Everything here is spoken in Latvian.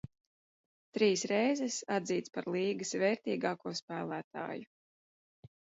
Trīs reizes atzīts par līgas vērtīgāko spēlētāju.